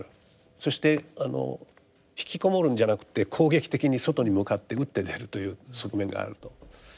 そしてあのひきこもるんじゃなくて攻撃的に外に向かって打って出るという側面があると。